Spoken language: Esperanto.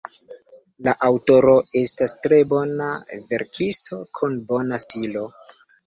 La aŭtoro estas tre bona verkisto, kun bona stilo.